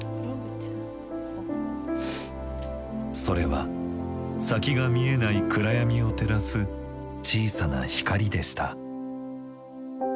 それは先が見えない暗闇を照らす小さな光でした。